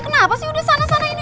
kenapa sih udah sana sana ini